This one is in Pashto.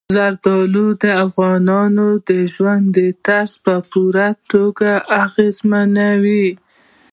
زردالو د افغانانو د ژوند طرز په پوره توګه اغېزمنوي.